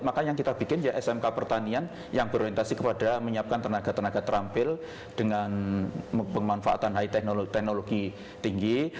maka yang kita bikin ya smk pertanian yang berorientasi kepada menyiapkan tenaga tenaga terampil dengan pemanfaatan high teknologi tinggi